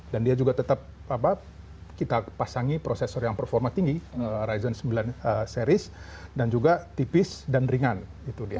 dia juga tetap kita pasangi prosesor yang performa tinggi rrizon sembilan series dan juga tipis dan ringan itu dia